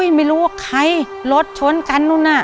ไม่รู้ว่าใครรถชนกันนู่นน่ะ